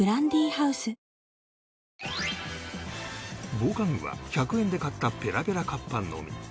防寒具は１００円で買ったペラペラカッパのみ